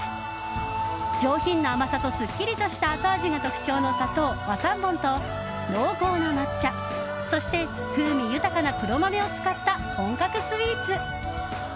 上品な甘さと、すっきりとした後味が特徴の砂糖、和三盆と濃厚な抹茶、そして風味豊かな黒豆を使った本格スイーツ。